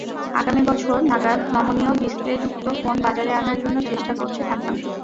আগামী বছর নাগাদ নমনীয় ডিসপ্লেযুক্ত ফোন বাজারে আনার জন্য চেষ্টা করছে স্যামসাং।